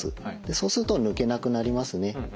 そうすると抜けなくなりますね。